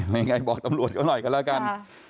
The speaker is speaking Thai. ยังไงบอกตำรวจเขาหน่อยกันแล้วกัน